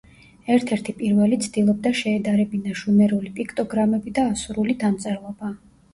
ერთ-ერთი პირველი ცდილობდა შეედარებინა შუმერული პიქტოგრამები და ასურული დამწერლობა.